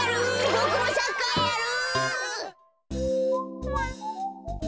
ボクもサッカーやる！